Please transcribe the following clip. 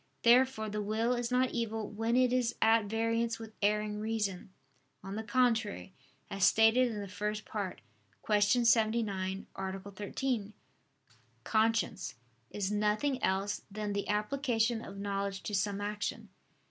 Therefore the will is not evil when it is at variance with erring reason. On the contrary, As stated in the First Part (Q. 79, A. 13), conscience is nothing else than the application of knowledge to some action.